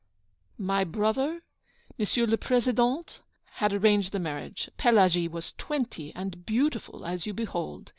'My brother, M. le Président, had arranged the marriage. Pelagie was twenty, and beautiful, as you behold.